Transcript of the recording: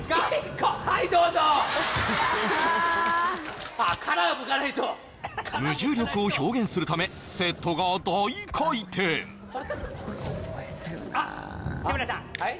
はいどうぞああ殻はむかねえと無重力を表現するためセットが大回転あっ志村さんはい？